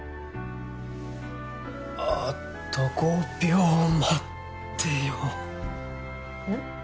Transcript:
あと５秒待ってようん？